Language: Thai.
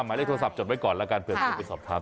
หมายเลขโทรศัพท์จดไว้ก่อนแล้วกันเผื่อโทรไปสอบถาม